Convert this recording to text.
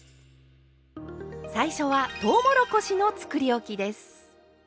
最初はとうもろこしのつくりおきです。